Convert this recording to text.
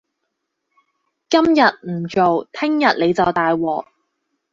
今日唔做，聽日你就大鑊